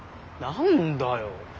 何だよ。